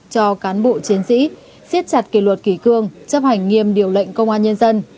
cho cán bộ chiến sĩ siết chặt kỷ luật kỷ cương chấp hành nghiêm điều lệnh công an nhân dân